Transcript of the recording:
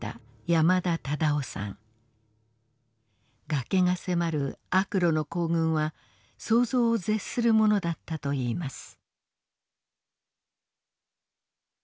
崖が迫る悪路の行軍は想像を絶するものだったといいます。